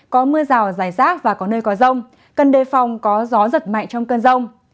có mưa rào giải rác và có nơi có rông cân đề phòng có gió giật mạnh trong cân rông